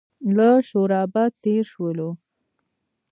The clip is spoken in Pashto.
له شورابه تېر شولو.